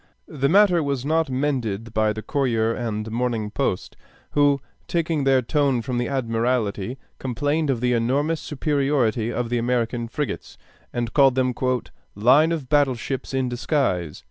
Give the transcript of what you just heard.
The matter was not mended by the Courier and Morning Post, who, taking their tone from the Admiralty, complained of the enormous superiority of the American frigates, and called them "line of battle ships in disguise."